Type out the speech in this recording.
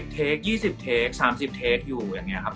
เทค๒๐เทค๓๐เทคอยู่อย่างนี้ครับ